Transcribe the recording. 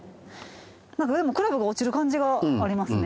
なんかでもクラブが落ちる感じがありますね。